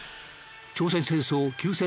朝鮮戦争休戦